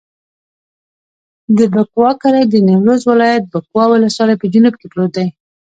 د بکوا کلی د نیمروز ولایت، بکوا ولسوالي په جنوب کې پروت دی.